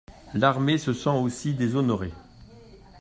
L'armée se sent aussi déshonorée.